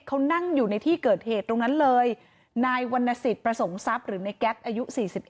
เขานั่งอยู่ในที่เกิดเหตุตรงนั้นเลยนายวรรณสิทธิ์ประสงค์ทรัพย์หรือในแก๊สอายุ๔๑